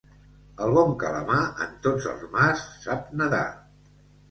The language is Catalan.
El bon calamar en tots els mars sap nedar.